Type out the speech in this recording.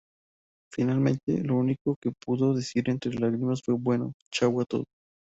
Finalmente, lo único que pudo decir entre lágrimas fue "bueno, chau a todos".